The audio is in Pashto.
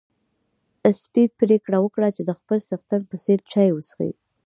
سپی پرېکړه وکړه چې د خپل څښتن په څېر چای وڅښي.